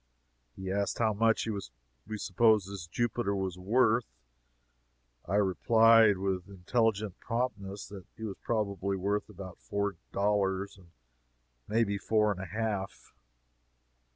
He asked how much we supposed this Jupiter was worth? I replied, with intelligent promptness, that he was probably worth about four dollars may be four and a half.